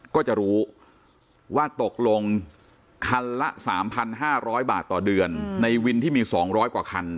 ก็จะรู้ว่าตกลงคันละสามพันห้าร้อยบาทต่อเดือนในวินที่มีสองร้อยกว่าคัน